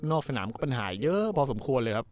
สนามก็ปัญหาเยอะพอสมควรเลยครับ